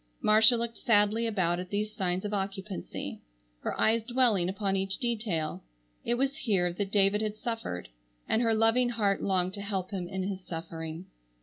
Marcia looked sadly about at these signs of occupancy, her eyes dwelling upon each detail. It was here that David had suffered, and her loving heart longed to help him in his suffering.